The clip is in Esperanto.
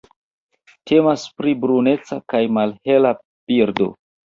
Temas pri bruneca kaj malhela birdo.